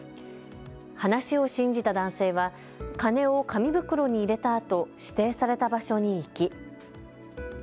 話を信じた男性は金を紙袋に入れたあと指定された場所に行き。